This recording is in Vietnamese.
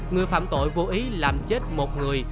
người phạm tội vô ý làm chết một người